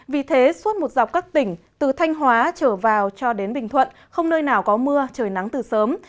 vì thế suốt một dọc các tỉnh từ thanh hóa trở vào cho đến bình thuận không nơi nào có mưa trời nắng từ sớm